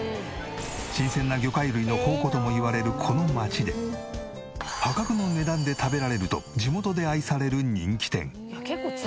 新鮮な魚介類の宝庫ともいわれるこの街で破格の値段で食べられると地元で愛される人気店。